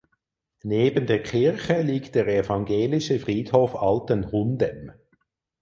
Neben der Kirche liegt der evangelische Friedhof Altenhundem.